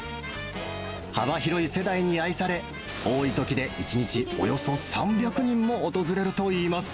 幅広い世代に愛され、多いときで１日およそ３００人も訪れるといいます。